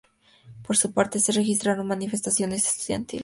Por su parte, se registraron manifestaciones estudiantiles.